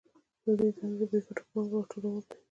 د دوی دنده د بې ګټو پانګو راټولول دي